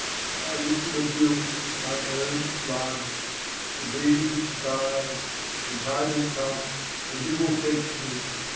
I writ them a bill with mine own blood: the date is expired; the time will come, and he will fetch me.